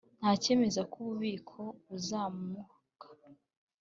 Nta cyemeza ko ububiko buzamuka